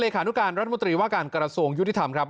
ขานุการรัฐมนตรีว่าการกระทรวงยุติธรรมครับ